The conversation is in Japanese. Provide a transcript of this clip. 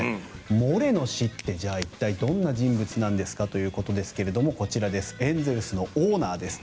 モレノ氏ってじゃあ一体どんな人物なんですかということですがこちらエンゼルスのオーナーです